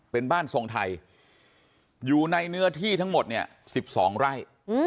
เป็นบ้านทรงไทยอยู่ในเนื้อที่ทั้งหมดเนี่ย๑๒ไร่